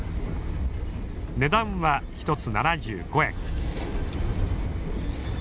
値段は１つ７５円。